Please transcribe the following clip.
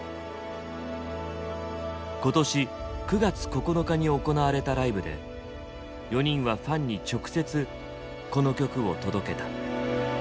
今年９月９日に行われたライブで４人はファンに直接この曲を届けた。